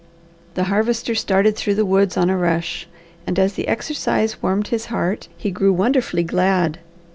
The Harvester started through the woods on a rush, and as the exercise warmed his heart, he grew wonderfully glad.